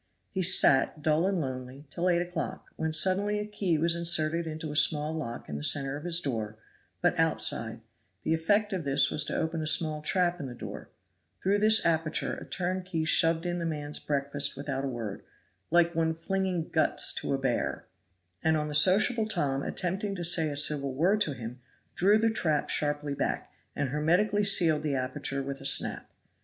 He sat, dull and lonely, till eight o'clock, when suddenly a key was inserted into a small lock in the center of his door, but outside; the effect of this was to open a small trap in the door, through this aperture a turnkey shoved in the man's breakfast without a word, "like one flinging guts to a bear" (Scott); and on the sociable Tom attempting to say a civil word to him, drew the trap sharply back, and hermetically sealed the aperture with a snap.